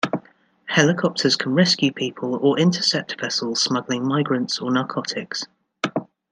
Helicopters can rescue people or intercept vessels smuggling migrants or narcotics.